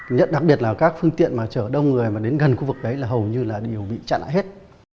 nhất đặc biệt là các phương tiện mà chở đông người mà đến gần khu vực đấy là hầu như là đều bị chặn lại hết